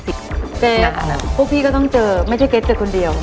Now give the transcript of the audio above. โอเคพวกพี่ก็ต้องเจอไม่ใช่เก๊ชเจอกันคนเดียว